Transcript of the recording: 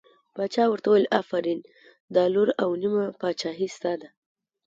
باچا ورته وویل آفرین دا لور او نیمه پاچهي ستا ده.